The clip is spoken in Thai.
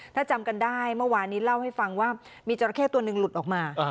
ถ้าจำกันได้เมื่อวานนี้เล่าให้ฟังว่ามีจราเข้ตัวหนึ่งหลุดออกมา